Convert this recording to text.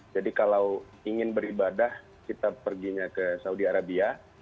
kalau ingin beribadah kita perginya ke saudi arabia